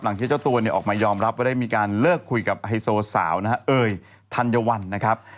ที่เจ้าตัวเนี่ยออกมายอมรับว่าได้มีการเลิกคุยกับไฮโซสาวนะฮะเอ่ยธัญวัลนะครับ